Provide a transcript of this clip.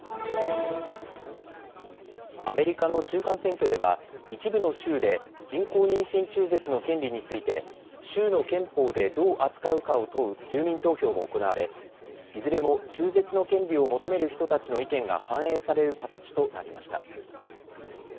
アメリカの中間選挙では一部の州で人工妊娠中絶の権利について州の憲法でどう扱うかを問う住民投票も行われいずれも中絶の権利を求める人たちの意見が反映される形となりました。